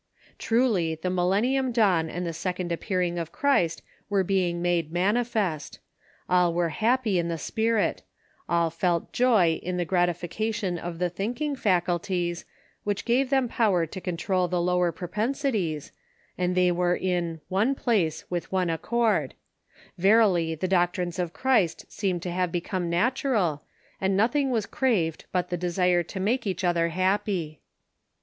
Truly, the Millennium dawn and the second appearing of Christ were being made manifest ; all were happy in the spirit ; all felt joy in the gratification of the thinking fac ulties, which gave them power to control the lower pro pensities, and they were in "one place with one accord ;" verily, the doctrines of Christ seemed to have become natural, and nothing was craved but the desire to make each other happy.